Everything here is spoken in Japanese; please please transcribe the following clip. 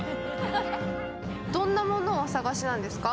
どんなものをお探しなんですか？